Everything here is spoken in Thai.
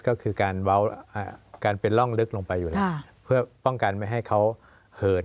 ก็คือการเป็นร่องลึกลงไปอยู่แล้วเพื่อป้องกันไม่ให้เขาเหิน